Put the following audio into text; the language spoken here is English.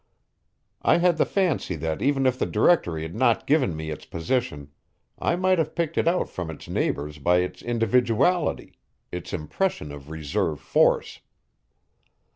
I had the fancy that even if the directory had not given me its position I might have picked it out from its neighbors by its individuality, its impression of reserve force.